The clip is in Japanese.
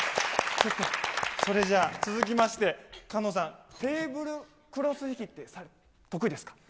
ちょっと、それじゃあ、続きまして、菅野さん、テーブルクロス引きって、得意ですか？